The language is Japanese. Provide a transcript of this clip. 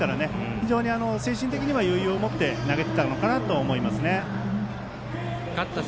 非常に精神的に余裕を持って投げていたのかなと思います。